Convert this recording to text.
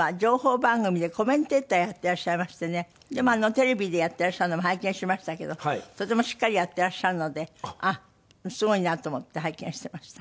テレビでやってらっしゃるのも拝見しましたけどとてもしっかりやってらっしゃるのであっすごいなと思って拝見してました。